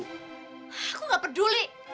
aku gak peduli